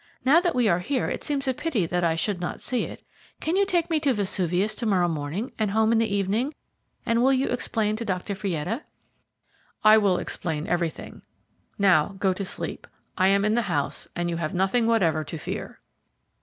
Now that we are here it seems a pity that I should not see it. Can you take me to Vesuvius to morrow morning, and home in the evening, and will you explain to Dr. Fietta?" "I will explain everything. Now go to sleep. I am in the house, and you have nothing whatever to fear."